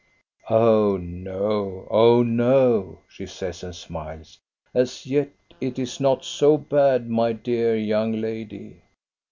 "Oh, no; oh, no, she says and smiles ; "as yet it is not so bad, my dear young lady.